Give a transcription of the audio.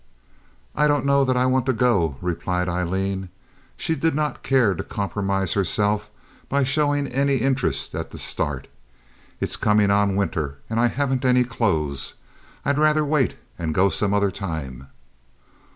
"I don't know that I want to go," replied Aileen. She did not care to compromise herself by showing any interest at the start. "It's coming on winter, and I haven't any clothes. I'd rather wait and go some other time."